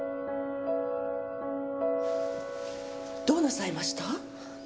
どうなさいました？